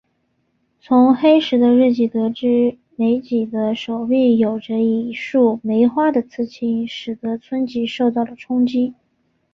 从石黑的日记得知美几的手臂有着一束梅花的刺青使得吉村受到了冲击。